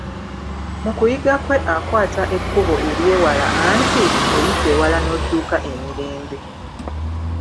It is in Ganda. Mu kuyiga kwe akwata ekkubo ery'ewala anti; oyita ewala n'otuuka emirembe.